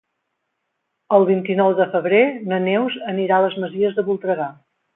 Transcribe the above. El vint-i-nou de febrer na Neus anirà a les Masies de Voltregà.